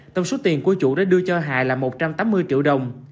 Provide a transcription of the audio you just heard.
tổng số tiền của chủ đã đưa cho hà là một trăm tám mươi triệu đồng